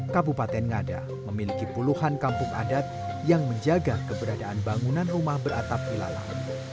kabupaten ngada memiliki puluhan kampung adat yang menjaga keberadaan bangunan rumah beratap hilalang